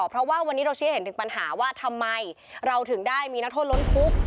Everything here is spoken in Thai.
เพราะว่าวันนี้เราเชื่อเห็นถึงปัญหาว่าทำไมเราถึงได้มีนักโทษล้นคุก